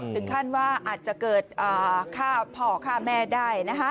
ถึงขั้นว่าอาจจะเกิดฆ่าพ่อฆ่าแม่ได้นะคะ